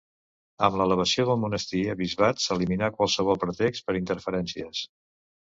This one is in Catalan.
Amb l'elevació del monestir a bisbat s'eliminà qualsevol pretext per interferències.